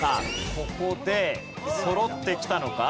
ここでそろってきたのか？